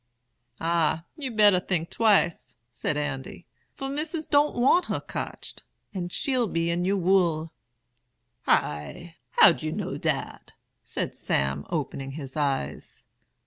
"'Ah, you'd better think twice,' said Andy; 'for Missis don't want her cotched, and she'll be in yer wool.' "'High! how you know dat?' said Sam, opening his eyes.